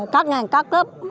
các ngành các lớp